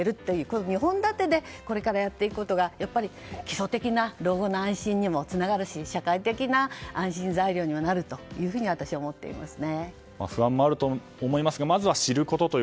この二本立てでこれからやっていくことが基礎的な老後の安心にもつながるし社会的な安心材料にはなると不安もあるとは思いますがまずは知ることと。